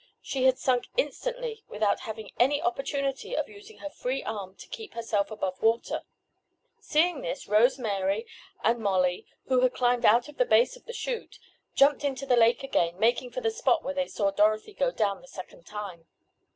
She had sunk instantly without having any opportunity of using her free arm to keep herself above water. Seeing this Rose Mary and Molly, who had climbed out on the base of the chute, jumped into the lake again, making for the spot where they saw Dorothy go down the second time.